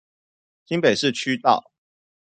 新北市區道